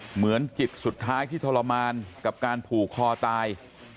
เหมือนจิตสุดท้ายที่ทรมานกับการผูกคอตาย